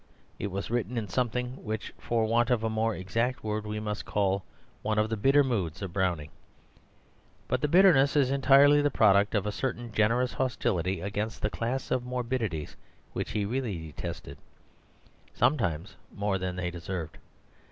It was written in something which, for want of a more exact word, we must call one of the bitter moods of Browning; but the bitterness is entirely the product of a certain generous hostility against the class of morbidities which he really detested, sometimes more than they deserved.